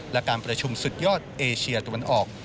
และการประชุมสุดยอดเอเชียตะวันออก